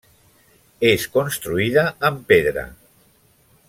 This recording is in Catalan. És construïda en pedra.